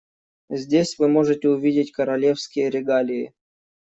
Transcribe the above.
Здесь вы можете увидеть королевские регалии.